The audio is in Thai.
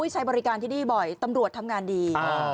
ใช้บริการที่นี่บ่อยตำรวจทำงานดี